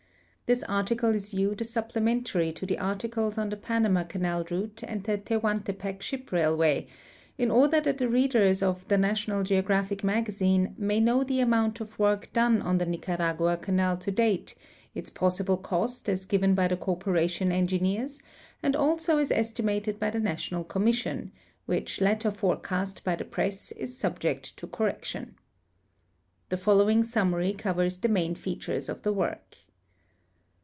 This article is viewed as supjdementarv to the articles on the Panama Canal Route and the Tehuantepec Ship Railway, in order that the readers of The National Geo graphic Magazine may know the amount of work done on the Nicaragua canal to date, its possible cost as given by the corpo ration engineers, and also as estimated by the National Commis sion, which latter forecast b}' the press is subject to correction. The following summaiy covers the main features of the work.